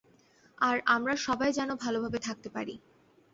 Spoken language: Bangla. আর আমরা সবাই যেনো ভালোভাবে থাকতে পারি।